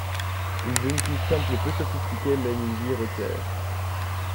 Une jeune fille simple et peu sophistiquée mène une vie retirée.